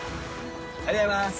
ありがとうございます。